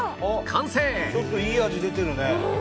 ちょっといい味出てるね。